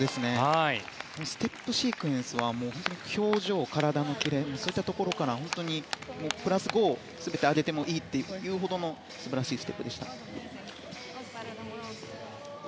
ステップシークエンスは表情、体のキレそういったところから本当にプラス５を全てあげてもいいほどの素晴らしいステップでした。